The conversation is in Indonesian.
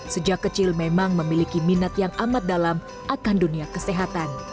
sejak kecil memang memiliki minat yang amat dalam akan dunia kesehatan